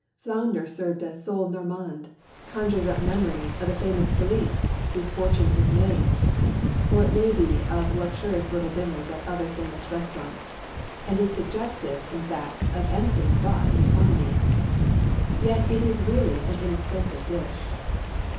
Flounder served as sole Normande conjures up memories of the famous Philippe, whose fortune it made, or it may be of luxurious little dinners at other famous restaurants, and is suggestive, in fact, of anything but economy. Yet it is really an inexpensive dish.